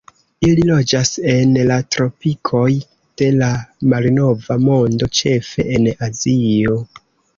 Ili loĝas en la tropikoj de la Malnova Mondo, ĉefe en Azio.